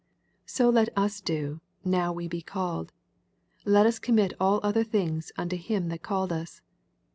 So let us do, now we be called ; let us commit all other things unto him that called us.